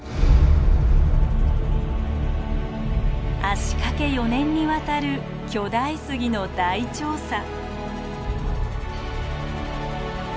足かけ４年にわたる巨大杉の大調査。